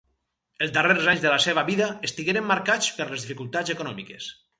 Els darrers anys de la seva vida estigueren marcats per les dificultats econòmiques.